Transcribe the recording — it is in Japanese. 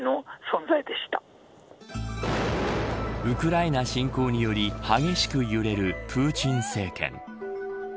ウクライナ侵攻により激しく揺れるプーチン政権。